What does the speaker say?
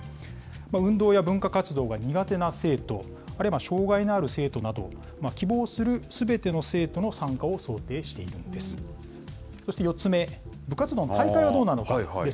運動や文化活動が苦手な生徒、あるいは障害のある生徒など、希望するすべての生徒の参加を想定しているんです。